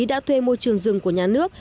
đã thuê môi trường rừng của nhà nước